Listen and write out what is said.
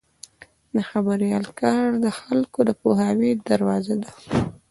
د خبریال کار د خلکو د پوهاوي دروازه ده.